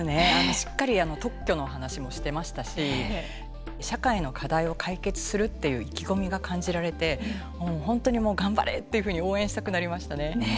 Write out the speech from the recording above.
しっかり特許の話もしてましたし社会の課題を解決するっていう意気込みが感じられて、本当にもう頑張れっていうふうに応援したくなりましたね。